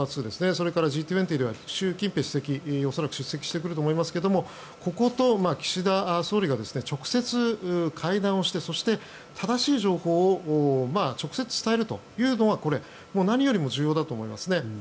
それからＧ２０では習近平主席恐らく出席してくると思いますがここと岸田総理が直接会談してそして、正しい情報を直接伝えるというのがこれ、何よりも重要だと思いますね。